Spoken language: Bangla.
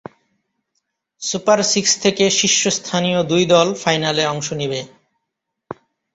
সুপার সিক্স থেকে শীর্ষস্থানীয় দুই দল ফাইনালে অংশ নিবে।